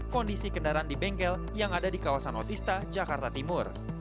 kondisi kendaraan di bengkel yang ada di kawasan otista jakarta timur